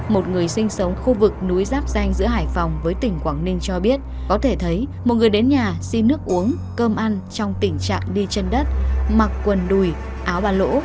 một người sinh sống khu vực núi giáp danh giữa hải phòng với tỉnh quảng ninh cho biết có thể thấy một người đến nhà xin nước uống cơm ăn trong tình trạng đi chân đất mặc quần đùi áo bà lỗ